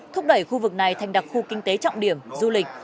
thúc đẩy khu vực này thành đặc khu kinh tế trọng điểm du lịch